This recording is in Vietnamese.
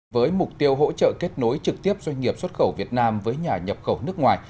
với mục tiêu hỗ trợ kết nối trực tiếp doanh nghiệp xuất khẩu việt nam với nhà nhập khẩu nước ngoài